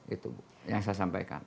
itu yang saya sampaikan